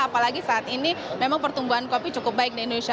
apalagi saat ini memang pertumbuhan kopi cukup baik di indonesia